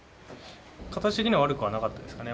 形的には悪くはなかったですね。